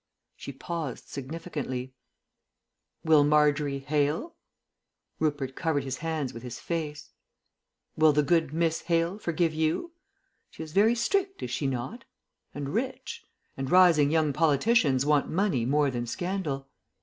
She paused significantly. "Will Marjorie Hale " (Rupert covered his hands with his face) "will the good Miss Hale forgive you? She is very strict, is she not? And rich? And rising young politicians want money more than scandal."